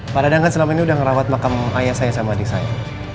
pak dadang kan selama ini udah ngerawat makam ayah saya sama adik saya